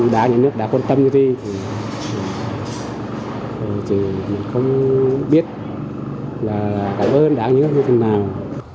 đã những nước đã quan tâm như thế thì mình không biết là cảm ơn đã những nước như thế nào